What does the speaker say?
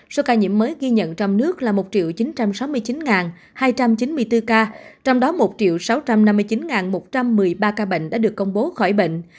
số ca nhiễm mới ghi nhận trong nước là một chín trăm sáu mươi chín hai trăm chín mươi bốn ca trong đó một sáu trăm năm mươi chín một trăm một mươi ba ca bệnh đã được công bố khỏi bệnh